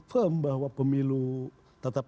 firm bahwa pemilu tetap